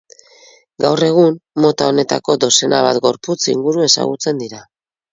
Gaur egun, mota honetako dozena bat gorputz inguru ezagutzen dira.